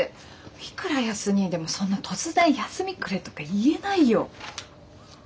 いくら康にぃでもそんな突然休みくれとか言えないよ。